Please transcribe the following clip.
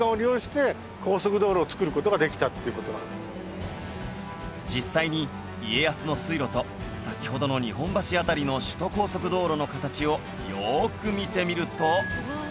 だから実際に家康の水路と先ほどの日本橋辺りの首都高速道路の形をよく見てみると